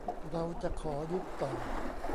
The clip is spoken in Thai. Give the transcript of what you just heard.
เรา จะขอยุบต่อ